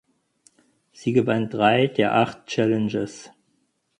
Sie gewann drei der acht "Challenges".